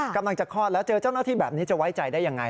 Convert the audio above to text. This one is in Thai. กำลังจะคลอดแล้วเจอเจ้าหน้าที่แบบนี้จะไว้ใจได้ยังไง